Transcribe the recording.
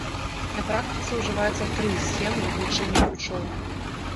На практыцы ўжываецца тры схемы ўключэння ключоў.